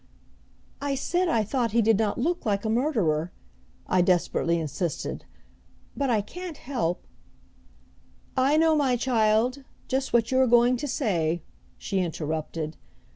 "I said I thought he did not look like a murderer," I desperately insisted, "but I can't help " "I know, my child, just what you are going to say," she interrupted.